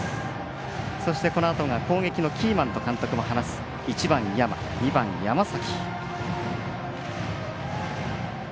このあとが攻撃のキーマンと話す１番、山２番山崎。